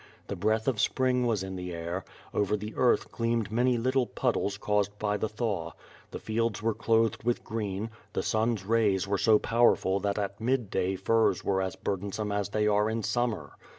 The breath of spring was in the air; over the earth gleamed many little puddles caused by the thaw; the fields were clothed with green; the sun's rays were so powerful that at mid day furs were as burdensome as they are in summer.